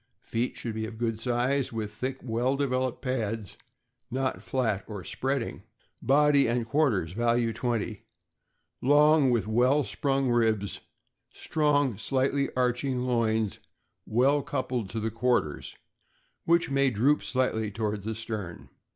Feet should be of good size, with thick, well developed pads, not flat or spreading. Body and quarters (value 20) long, with well sprung ribs, strong, slightly arching loins, well coupled to the quarters, which may droop slightly toward the stern.